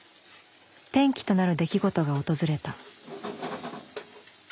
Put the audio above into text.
転機となる出来事が訪れた。